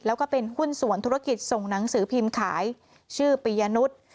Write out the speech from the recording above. แล้วก็เป็นหุ้นส่วนธุรกิจส่งหนังสือพิมพ์ขายชื่อปียนุษย์